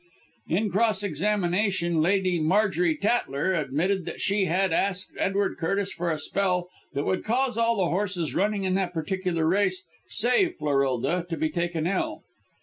In cross examination, Lady Marjorie Tatler admitted that she had asked Edward Curtis for a spell that would cause all the horses running in that particular race, save Florillda, to be taken ill.